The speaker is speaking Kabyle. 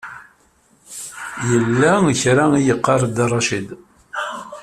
Yella kra i yeqqaṛ Dda Racid.